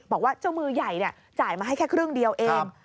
บอกว่าเจ้ามือใหญ่จ่ายมาให้แค่ครึ่งเดียวเอง